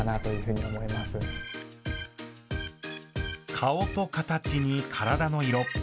顔と形に体の色。